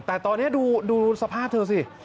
แต่ตอนนี้ดูสภาพเธอสิ